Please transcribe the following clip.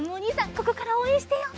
ここからおうえんしてよう。